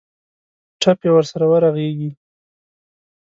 ټپ یې ورسره ورغېږي.